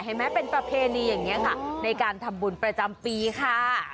เห็นไหมเป็นประเพณีอย่างนี้ค่ะในการทำบุญประจำปีค่ะ